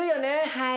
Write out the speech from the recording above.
はい。